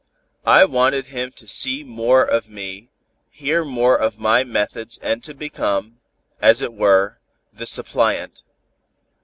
I wanted him to see more of me, hear more of my methods and to become, as it were, the suppliant.